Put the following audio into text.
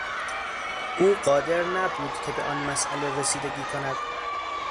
او قادر نبود که به آن مسئله رسیدگی کند.